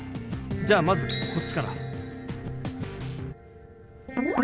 じゃあまずこっちから。